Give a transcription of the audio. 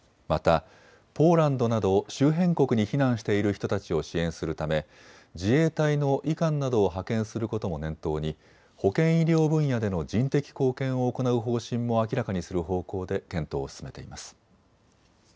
また、ポーランドなど周辺国に避難している人たちを支援するため自衛隊の医官などを派遣することも念頭に保健医療分野での人的貢献を行う方針も明らかにする方向で検討を進めています。